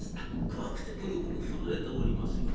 怖くてブルブル震えておりますよ。